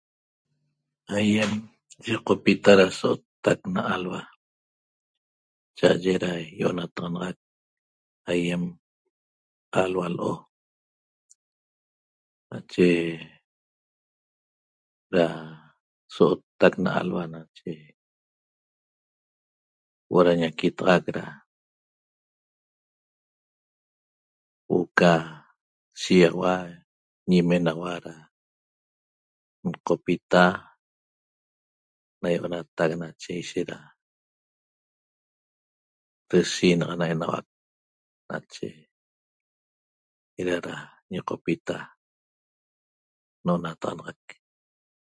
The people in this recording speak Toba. Aýem yiqopita da so'ottac na alhua cha'aye da ýi'onataxanaxac aýem alhua l'o nache da so'ottac na alhua nache huo'o da ñaquitaxac da huo'o ca shiýaxaua ñimenaxua da nqopita na ýi'onatac nache ishet da deshiinaxana enauac nache eda da ñiqopita n'onataxanaxac